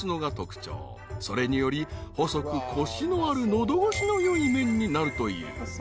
［それにより細くコシのある喉越しのよい麺になるという］